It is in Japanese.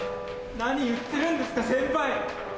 何言ってるんですか先輩！